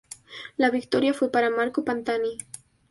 La victoria fue para Marco Pantani.